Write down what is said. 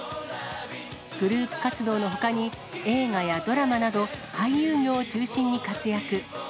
グループ活動のほかに、映画やドラマなど、俳優業を中心に活躍。